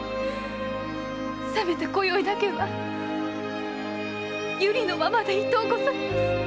せめて今宵だけは百合のままでいとうございます。